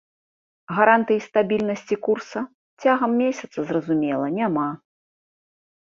Гарантый стабільнасці курса цягам месяца, зразумела, няма.